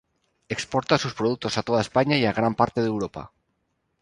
Exporta sus productos a toda España y a gran parte de Europa.